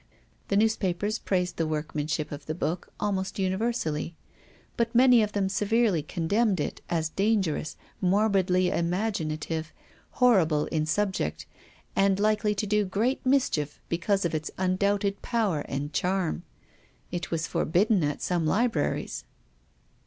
Tiie newspapers praised the workmanship of the book almost universally. But many of them severely condemned it as dangerous, morbidly imaginative, horrible in sub ject, and likely to do great mischief because of its undoubted power and charm. It was for bidden at some libraries.